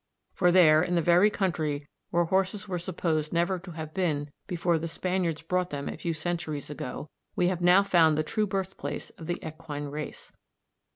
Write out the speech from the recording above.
For there, in the very country where horses were supposed never to have been before the Spaniards brought them a few centuries ago, we have now found the true birthplace of the equine race.